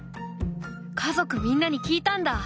家族みんなに聞いたんだ。